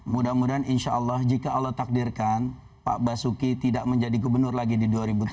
mudah mudahan insya allah jika allah takdirkan pak basuki tidak menjadi gubernur lagi di dua ribu tujuh belas